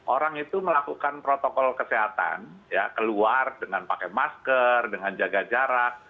orang itu melakukan protokol kesehatan keluar dengan pakai masker dengan jaga jarak